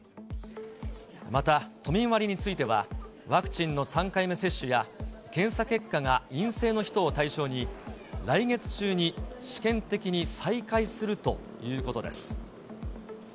また都民割については、ワクチンの３回目接種や、検査結果が陰性の人を対象に、来月中に試験的に再開するということです。